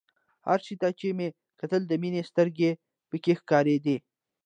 هر شي ته چې مې کتل د مينې سترګې پکښې ښکارېدې.